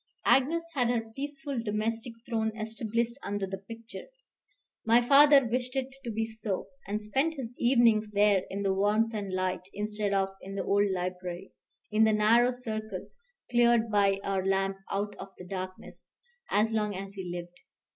Agnes had her peaceful domestic throne established under the picture. My father wished it to be so, and spent his evenings there in the warmth and light, instead of in the old library, in the narrow circle cleared by our lamp out of the darkness, as long as he lived.